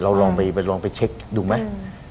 เราลองไปเช็กดูไหม